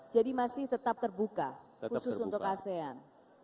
jadi masih tetap terbuka khusus untuk asean